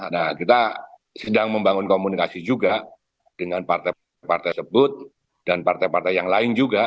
nah kita sedang membangun komunikasi juga dengan partai partai sebut dan partai partai yang lain juga